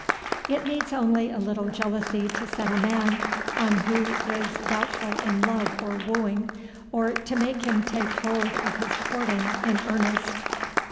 It needs only a little jealousy to set a man on who is doubtful in love or wooing, or to make him take hold of his courting in earnest.